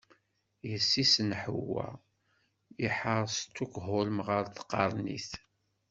Yessi-s n Ḥewwa i iḥer Stukhulm ɣer tqarnit.